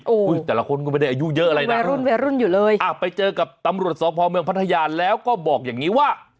อุ๊ยแต่ละคนก็ไม่ได้อายุเยอะอะไรนะอ่ะไปเจอกับตำรวจสองพรเมืองพัทยาแล้วก็บอกอย่างนี้ว่า